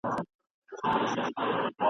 یو په غوړه ګودړۍ کي وي پېچلی ..